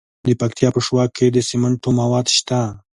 د پکتیا په شواک کې د سمنټو مواد شته.